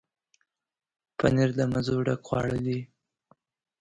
پنېر د مزو ډک خواړه دي.